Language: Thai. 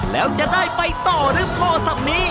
แล้วจะได้ไปต่อหรือพอสักนี้